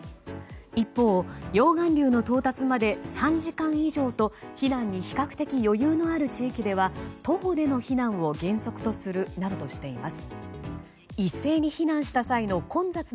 一方、溶岩流の到達まで３時間以上と避難に比較的余裕がある地域では徒歩での避難を原則とするなどとしています。